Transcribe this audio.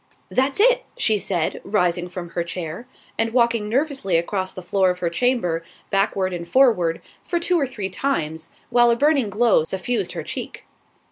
"That's it," she said, rising from her chair, and walking nervously across the floor of her chamber, backward and forward, for two or three times, while a burning glow suffused her cheek.